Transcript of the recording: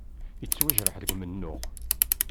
Yettwajreḥ deg umennuɣ.